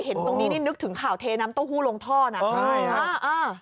เห็นตรงนี้นี่นึกถึงข่าวเทน้ำเต้าหู้ลงท่อนะใช่ค่ะ